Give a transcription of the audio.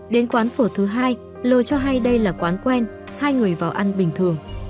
đến quán phở thứ hai l cho hay đây là quán quen hai người vào ăn bình thường